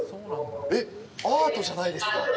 えっ、アートじゃないですか。